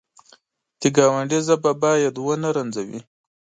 د ګاونډي ژبه باید ونه رنځوي